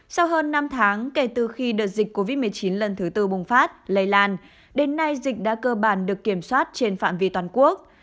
sau hơn năm tháng kể từ khi đợt dịch covid một mươi chín lần thứ tư bùng phát lây lan đến nay dịch đã cơ bản được kiểm soát trên phạm vi toàn quốc